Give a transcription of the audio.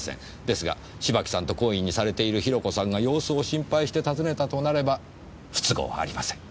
ですが芝木さんと懇意にされているヒロコさんが様子を心配して訪ねたとなれば不都合はありません。